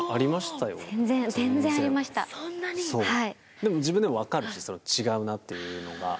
でも自分でも分かるんです違うなっていうのが。